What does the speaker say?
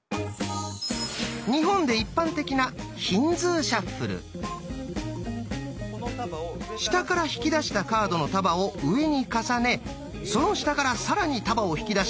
日本で一般的な下から引き出したカードの束を上に重ねその下から更に束を引き出し上に重ねる。